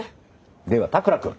では田倉君。